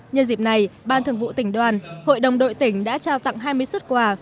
nhân dịp này ban thường vụ tỉnh đoàn hội đồng đội tỉnh đã trao tặng hai mươi xuất quà